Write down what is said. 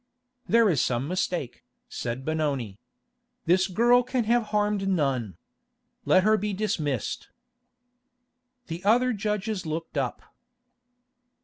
"There is some mistake," said Benoni. "This girl can have harmed none. Let her be dismissed." The other judges looked up.